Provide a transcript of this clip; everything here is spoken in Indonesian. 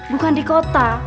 bukan di kota